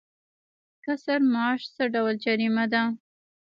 کسر معاش څه ډول جریمه ده؟